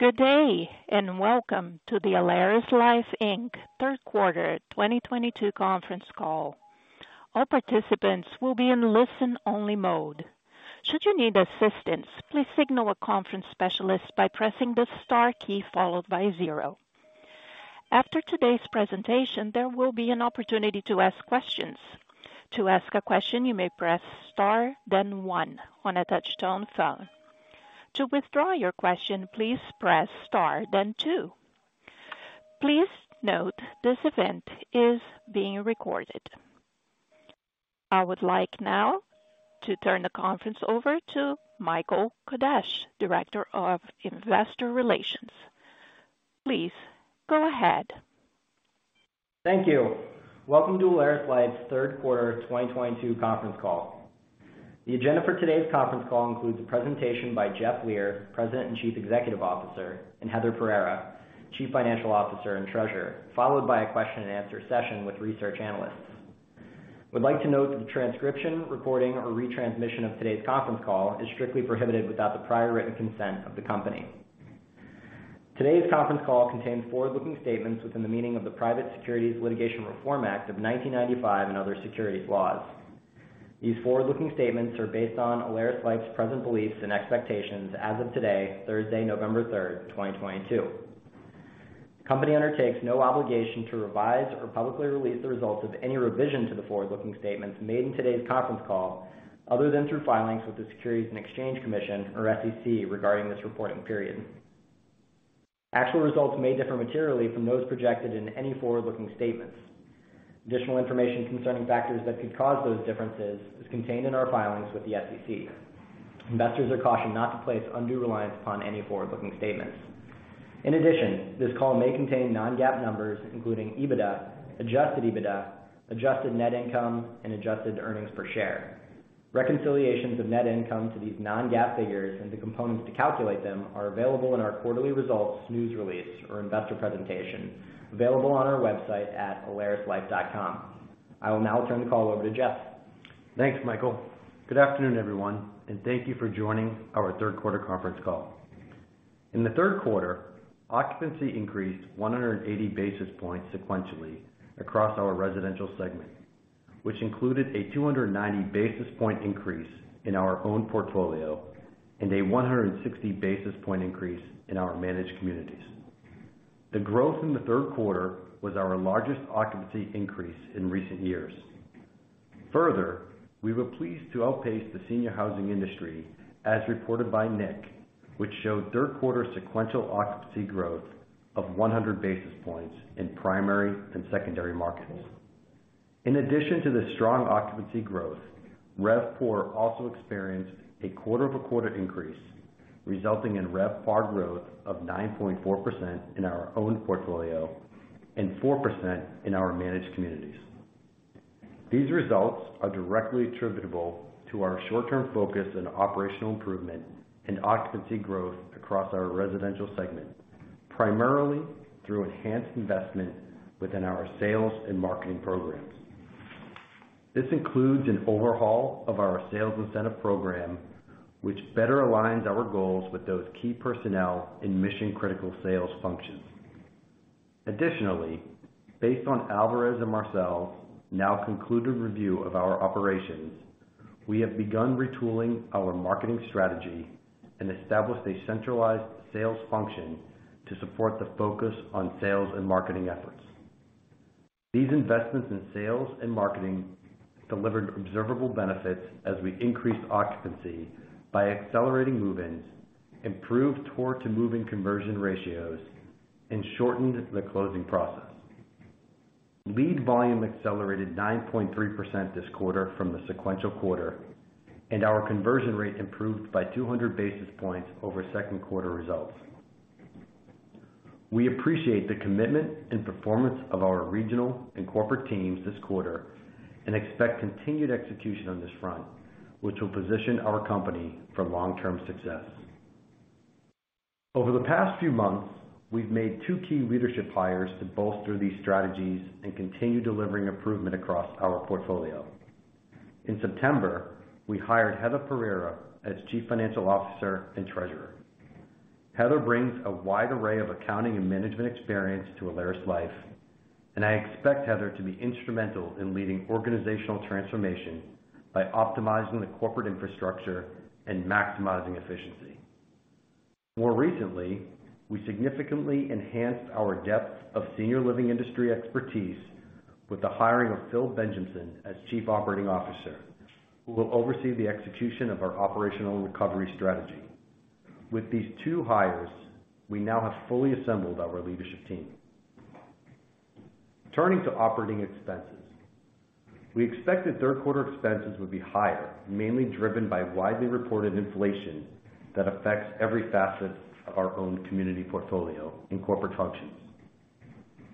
Good day, and welcome to the AlerisLife, Inc. Third Quarter 2022 Conference Call. All participants will be in listen-only mode. Should you need assistance, please signal a conference specialist by pressing the star key followed by zero. After today's presentation, there will be an opportunity to ask questions. To ask a question, you may press star then one on a touch-tone phone. To withdraw your question, please press star then two. Please note this event is being recorded. I would like now to turn the conference over to Michael Kodesch, Director of Investor Relations. Please go ahead. Thank you. Welcome to AlerisLife's Third Quarter 2022 Conference Call. The agenda for today's conference call includes a presentation by Jeff Leer, President and Chief Executive Officer, and Heather Pereira, Chief Financial Officer and Treasurer, followed by a question-and-answer session with research analysts. Would like to note that the transcription, reporting or retransmission of today's conference call is strictly prohibited without the prior written consent of the company. Today's conference call contains forward-looking statements within the meaning of the Private Securities Litigation Reform Act of 1995 and other securities laws. These forward-looking statements are based on AlerisLife's present beliefs and expectations as of today, Thursday, November 3rd, 2022. The company undertakes no obligation to revise or publicly release the results of any revision to the forward-looking statements made in today's conference call, other than through filings with the Securities and Exchange Commission or SEC regarding this reporting period. Actual results may differ materially from those projected in any forward-looking statements. Additional information concerning factors that could cause those differences is contained in our filings with the SEC. Investors are cautioned not to place undue reliance upon any forward-looking statements. In addition, this call may contain non-GAAP numbers, including EBITDA, adjusted EBITDA, adjusted net income and adjusted earnings per share. Reconciliations of net income to these non-GAAP figures and the components to calculate them are available in our quarterly results, news release or investor presentation available on our website at alerislife.com. I will now turn the call over to Jeff. Thanks, Michael. Good afternoon, everyone, and thank you for joining our third quarter conference call. In the third quarter, occupancy increased 180 basis points sequentially across our residential segment, which included a 290 basis point increase in our own portfolio and a 160 basis point increase in our managed communities. The growth in the third quarter was our largest occupancy increase in recent years. Further, we were pleased to outpace the senior housing industry as reported by NIC, which showed third quarter sequential occupancy growth of 100 basis points in primary and secondary markets. In addition to the strong occupancy growth, RevPOR also experienced a quarter-over-quarter increase, resulting in RevPAR growth of 9.4% in our own portfolio and 4% in our managed communities. These results are directly attributable to our short-term focus and operational improvement and occupancy growth across our residential segment, primarily through enhanced investment within our sales and marketing programs. This includes an overhaul of our sales incentive program, which better aligns our goals with those key personnel in mission-critical sales functions. Additionally, based on Alvarez & Marsal's now concluded review of our operations, we have begun retooling our marketing strategy and established a centralized sales function to support the focus on sales and marketing efforts. These investments in sales and marketing delivered observable benefits as we increased occupancy by accelerating move-ins, improved tour-to-move-in conversion ratios, and shortened the closing process. Lead volume accelerated 9.3% this quarter from the sequential quarter, and our conversion rate improved by 200 basis points over second quarter results. We appreciate the commitment and performance of our regional and corporate teams this quarter and expect continued execution on this front, which will position our company for long-term success. Over the past few months, we've made two key leadership hires to bolster these strategies and continue delivering improvement across our portfolio. In September, we hired Heather Pereira as Chief Financial Officer and Treasurer. Heather brings a wide array of accounting and management experience to AlerisLife, and I expect Heather to be instrumental in leading organizational transformation by optimizing the corporate infrastructure and maximizing efficiency. More recently, we significantly enhanced our depth of senior living industry expertise with the hiring of Phil Benjamson as Chief Operating Officer, who will oversee the execution of our operational recovery strategy. With these two hires, we now have fully assembled our leadership team. Turning to operating expenses. We expected third quarter expenses would be higher, mainly driven by widely reported inflation that affects every facet of our own community portfolio and corporate functions.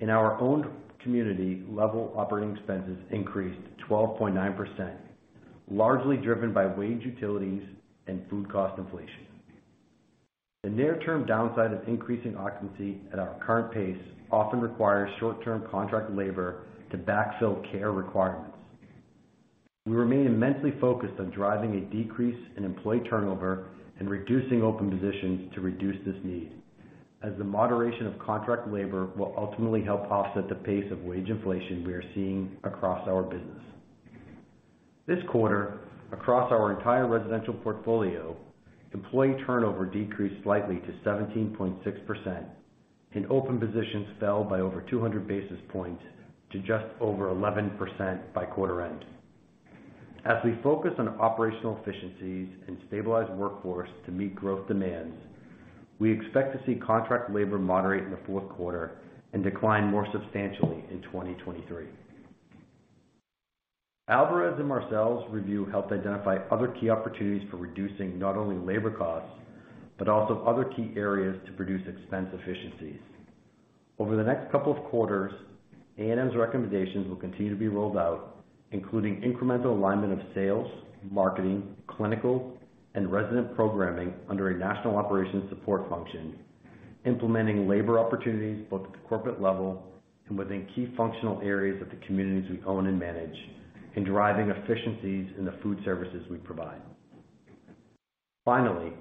In our own community level, operating expenses increased 12.9%, largely driven by wages, utilities, and food cost inflation. The near-term downside of increasing occupancy at our current pace often requires short-term contract labor to backfill care requirements. We remain immensely focused on driving a decrease in employee turnover and reducing open positions to reduce this need, as the moderation of contract labor will ultimately help offset the pace of wage inflation we are seeing across our business. This quarter, across our entire residential portfolio, employee turnover decreased slightly to 17.6%, and open positions fell by over 200 basis points to just over 11% by quarter end. As we focus on operational efficiencies and stabilize workforce to meet growth demands, we expect to see contract labor moderate in the fourth quarter and decline more substantially in 2023. Alvarez & Marsal's review helped identify other key opportunities for reducing not only labor costs, but also other key areas to produce expense efficiencies. Over the next couple of quarters, A&M's recommendations will continue to be rolled out, including incremental alignment of sales, marketing, clinical, and resident programming under a national operations support function, implementing labor opportunities both at the corporate level and within key functional areas of the communities we own and manage, and driving efficiencies in the food services we provide. Finally,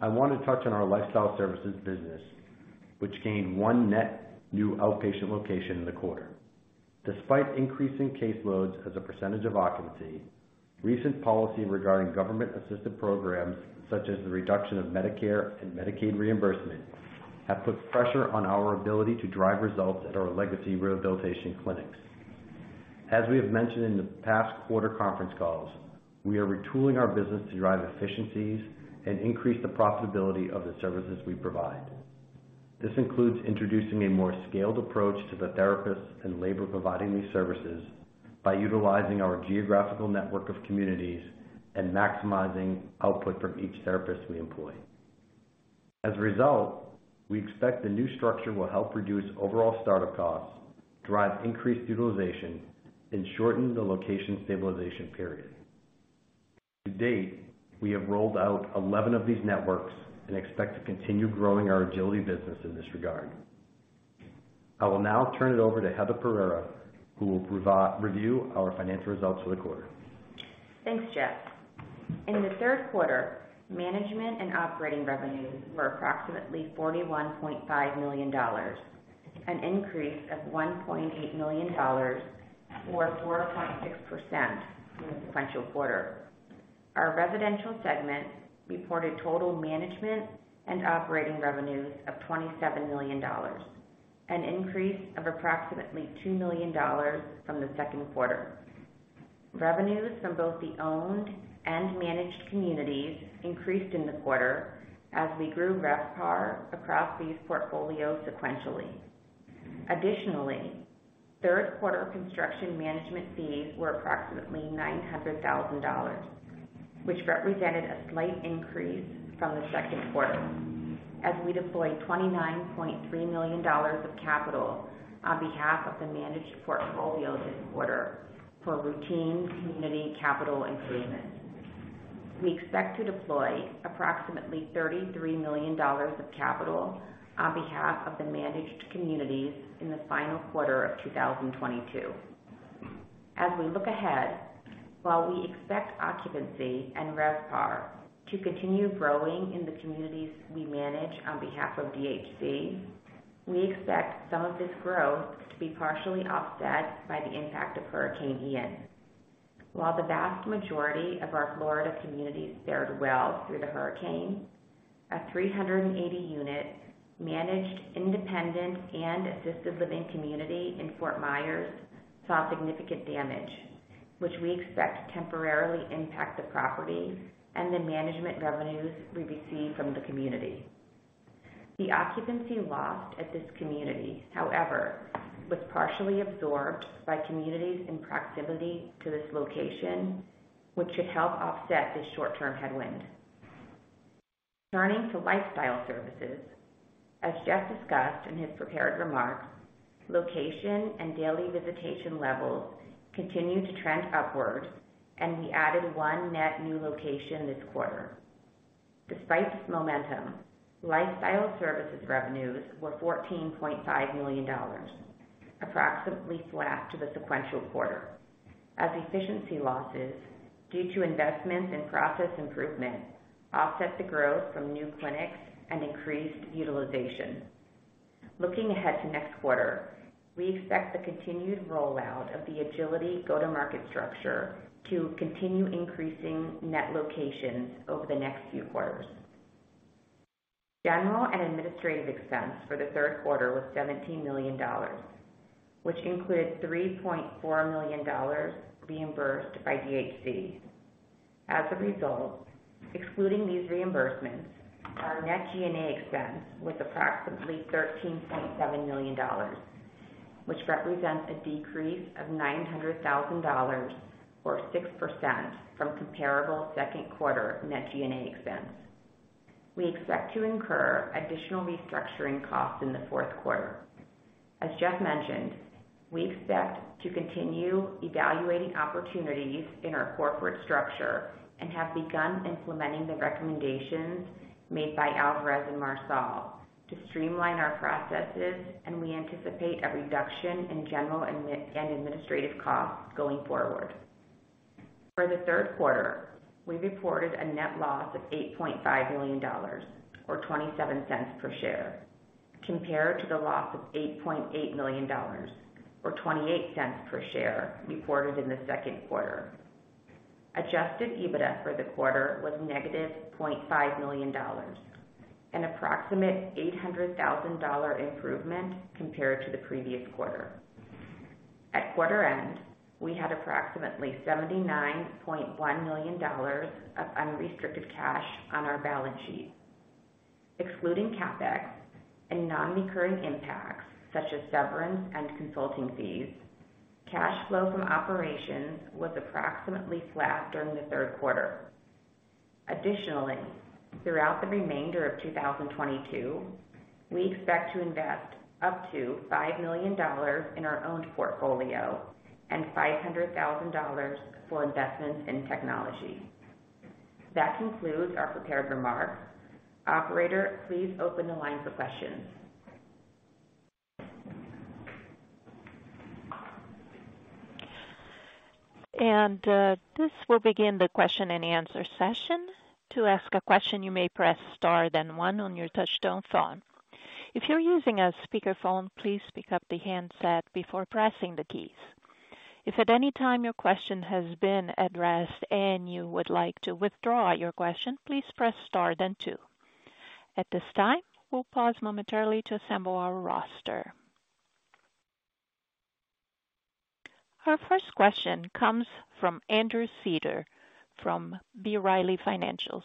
I want to touch on our Lifestyle Services business, which gained one net new outpatient location in the quarter. Despite increasing caseloads as a percentage of occupancy, recent policy regarding government-assisted programs, such as the reduction of Medicare and Medicaid reimbursement, have put pressure on our ability to drive results at our legacy rehabilitation clinics. As we have mentioned in the past quarter conference calls, we are retooling our business to drive efficiencies and increase the profitability of the services we provide. This includes introducing a more scaled approach to the therapists and labor providing these services by utilizing our geographical network of communities and maximizing output from each therapist we employ. As a result, we expect the new structure will help reduce overall startup costs, drive increased utilization, and shorten the location stabilization period. To date, we have rolled out 11 of these networks and expect to continue growing our Ageility business in this regard. I will now turn it over to Heather Pereira, who will review our financial results for the quarter. Thanks, Jeff. In the third quarter, management and operating revenues were approximately $41.5 million, an increase of $1.8 million or 4.6% from the sequential quarter. Our residential segment reported total management and operating revenues of $27 million, an increase of approximately $2 million from the second quarter. Revenues from both the owned and managed communities increased in the quarter as we grew RevPAR across these portfolios sequentially. Additionally, third quarter construction management fees were approximately $900,000, which represented a slight increase from the second quarter as we deployed $29.3 million of capital on behalf of the managed portfolios this quarter for routine community capital improvements. We expect to deploy approximately $33 million of capital on behalf of the managed communities in the final quarter of 2022. As we look ahead, while we expect occupancy and RevPAR to continue growing in the communities we manage on behalf of DHC, we expect some of this growth to be partially offset by the impact of Hurricane Ian. While the vast majority of our Florida communities fared well through the hurricane, a 380-unit managed, independent, and assisted living community in Fort Myers saw significant damage, which we expect to temporarily impact the property and the management revenues we receive from the community. The occupancy lost at this community, however, was partially absorbed by communities in proximity to this location, which should help offset this short-term headwind. Turning to Lifestyle Services, as Jeff discussed in his prepared remarks, location and daily visitation levels continued to trend upward, and we added one net new location this quarter. Despite this momentum, Lifestyle Services revenues were $14.5 million, approximately flat to the sequential quarter, as efficiency losses due to investments in process improvement offset the growth from new clinics and increased utilization. Looking ahead to next quarter, we expect the continued rollout of the Ageility go-to-market structure to continue increasing net locations over the next few quarters. General and administrative expense for the third quarter was $17 million, which included $3.4 million reimbursed by DHC. As a result, excluding these reimbursements, our net G&A expense was approximately $13.7 million, which represents a decrease of $900,000 or 6% from comparable second quarter net G&A expense. We expect to incur additional restructuring costs in the fourth quarter. As Jeff mentioned, we expect to continue evaluating opportunities in our corporate structure and have begun implementing the recommendations made by Alvarez & Marsal to streamline our processes, and we anticipate a reduction in general and administrative costs going forward. For the third quarter, we reported a net loss of $8.5 million or $0.27 per share, compared to the loss of $8.8 million or $0.28 per share reported in the second quarter. Adjusted EBITDA for the quarter was -$0.5 million, an approximate $800,000 improvement compared to the previous quarter. At quarter end, we had approximately $79.1 million of unrestricted cash on our balance sheet. Excluding CapEx and non-recurring impacts such as severance and consulting fees, cash flow from operations was approximately flat during the third quarter. Additionally, throughout the remainder of 2022, we expect to invest up to $5 million in our owned portfolio and $500,000 for investments in technology. That concludes our prepared remarks. Operator, please open the line for questions. This will begin the question and answer session. To ask a question, you may press star then one on your touch-tone phone. If you're using a speakerphone, please pick up the handset before pressing the keys. If at any time your question has been addressed and you would like to withdraw your question, please press star then two. At this time, we'll pause momentarily to assemble our roster. Our first question comes from Andrew Seder from B. Riley Financial.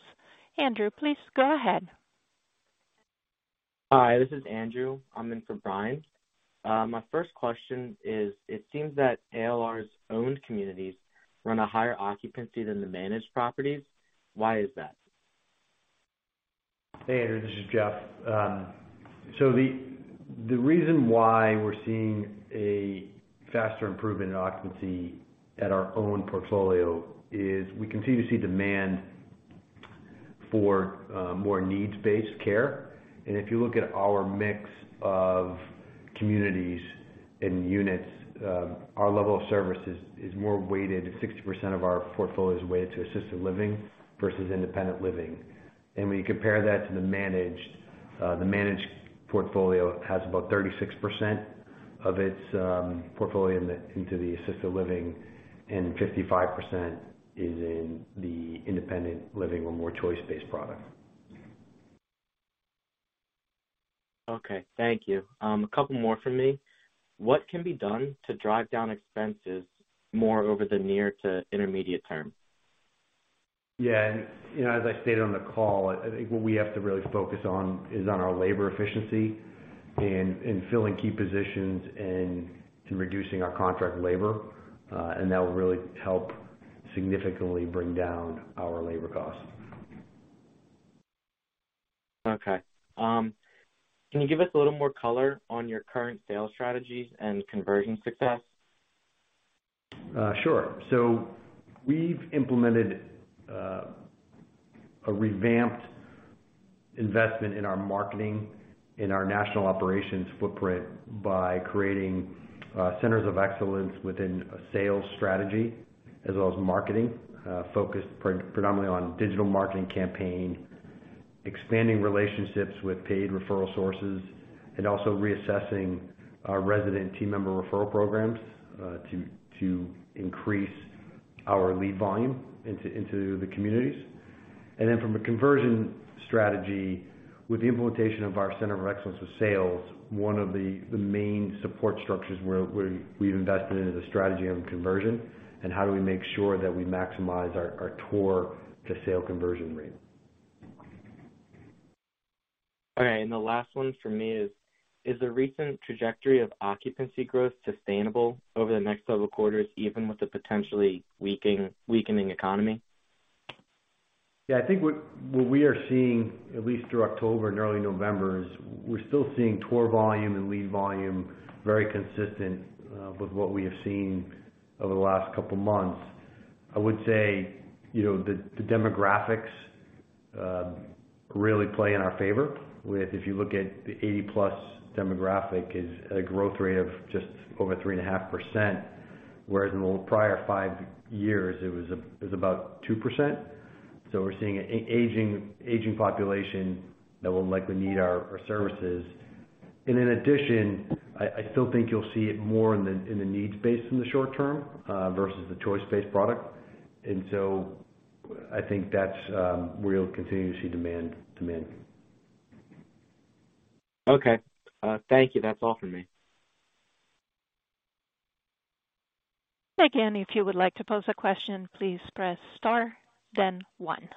Andrew, please go ahead. Hi, this is Andrew. I'm in for Brian. My first question is it seems that ALR's owned communities run a higher occupancy than the managed properties. Why is that? Hey, Andrew, this is Jeff. So the reason why we're seeing a faster improvement in occupancy at our own portfolio is we continue to see demand for more needs-based care. If you look at our mix of communities and units, our level of services is more weighted. 60% of our portfolio is weighted to assisted living versus independent living. When you compare that to the managed portfolio has about 36% of its portfolio into the assisted living and 55% is in the independent living or more choice-based product. Okay. Thank you. A couple more from me. What can be done to drive down expenses more over the near to intermediate term? Yeah. You know, as I stated on the call, I think what we have to really focus on is on our labor efficiency and filling key positions and reducing our contract labor. That will really help significantly bring down our labor costs. Okay. Can you give us a little more color on your current sales strategies and conversion success? Sure. We've implemented a revamped investment in our marketing and our national operations footprint by creating centers of excellence within a sales strategy as well as marketing, focused predominantly on digital marketing campaign, expanding relationships with paid referral sources, and also reassessing our resident team member referral programs to increase our lead volume into the communities. From a conversion strategy with the implementation of our center of excellence with sales, one of the main support structures where we've invested into the strategy on conversion and how do we make sure that we maximize our tour to sale conversion rate. All right. The last one from me is the recent trajectory of occupancy growth sustainable over the next several quarters, even with the potentially weakening economy? Yeah, I think what we are seeing at least through October and early November is we're still seeing tour volume and lead volume very consistent with what we have seen over the last couple of months. I would say, you know, the demographics really play in our favor if you look at the 80+ demographic is at a growth rate of just over 3.5%, whereas in the prior five years it was about 2%. We're seeing an aging population that will likely need our services. In addition, I still think you'll see it more in the needs-based in the short term versus the choice-based product. I think that's where you'll continue to see demand. Okay. Thank you. That's all for me. Again, if you would like to pose a question, please press star then one.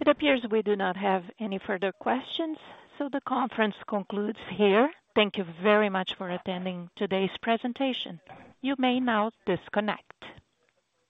It appears we do not have any further questions, so the conference concludes here. Thank you very much for attending today's presentation. You may now disconnect.